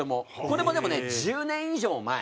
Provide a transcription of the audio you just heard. これもでもね１０年以上前。